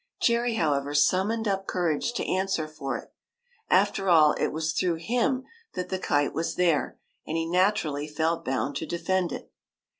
Jerry, however, summoned up cour age to answer for it. After all, it was through him that the kite was there, and he naturally felt bound to defend it.